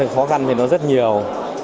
khó khăn thì nó rất nhiều